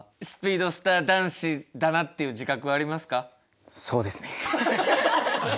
スピードスター男子だなっていう自覚はありますか？